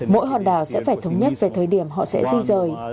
mỗi hòn đảo sẽ phải thống nhất về thời điểm họ sẽ di rời